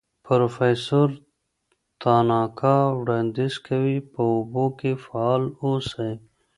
پروفیسور تاناکا وړاندیز کوي په اوبو کې فعال اوسئ.